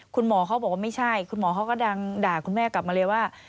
คุณหมอเขาบอกว่าไม่ใช่คุณหมอเขาก็ดังด่าคุณแม่กลับมาเลยว่า